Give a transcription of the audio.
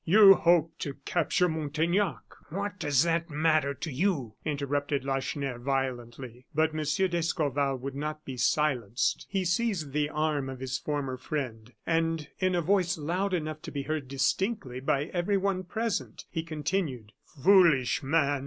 You hope to capture Montaignac " "What does that matter to you?" interrupted Lacheneur, violently. But M. d'Escorval would not be silenced. He seized the arm of his former friend, and in a voice loud enough to be heard distinctly by everyone present, he continued: "Foolish man!